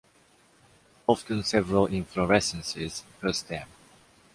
Often several inflorescences per stem.